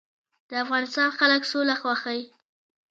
د افغانستان خلک سوله خوښوي